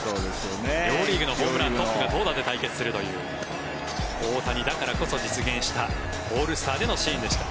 両リーグのホームラントップが投打で対決するという大谷だからこそ実現したオールスターでのシーンでした。